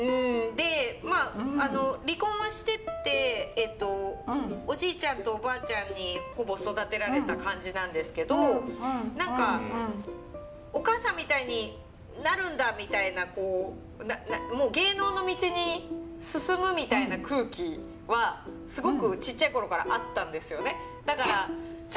でまあ離婚はしてておじいちゃんとおばあちゃんにほぼ育てられた感じなんですけど何か「お母さんみたいになるんだ」みたいなもう芸能の道に進むみたいな空気はすごくちっちゃい頃からあったんですよね。